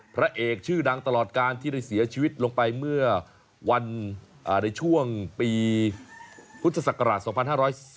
พระเอกชื่อดังตลอดการที่ได้เสียชีวิตลงไปเมื่อวันในช่วงปีพุทธศักราช๒๕๔